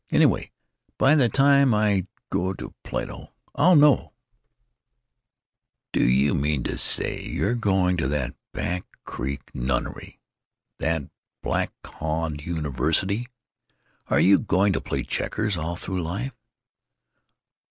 Anyway, by the time I go to Plato I'll know——" "D'you mean to say you're going to that back creek nunnery? That Blackhaw University? Are you going to play checkers all through life?"